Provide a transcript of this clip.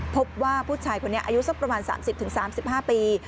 พบว่าผู้ชายคนนี้อายุสักประมาณ๓๐๓๕ปี